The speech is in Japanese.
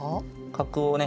角をね